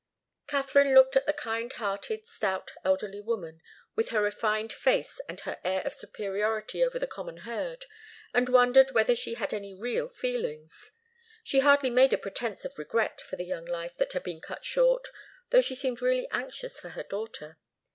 Katharine looked at the kind hearted, stout, elderly woman, with her refined face and her air of superiority over the common herd, and wondered whether she had any real feelings. She hardly made a pretence of regret for the young life that had been cut short, though she seemed really anxious for her daughter.